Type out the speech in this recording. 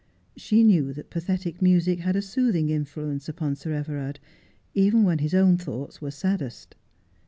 She knew that pathetic music had a soothing influence upon Sir Everard, even when his own thoughts were saddest.